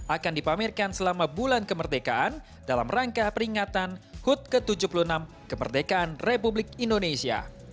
akan dipamerkan selama bulan kemerdekaan dalam rangka peringatan hud ke tujuh puluh enam kemerdekaan republik indonesia